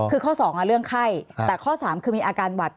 คือข้อ๒เรื่องไข้แต่ข้อ๓คือมีอาการหวัด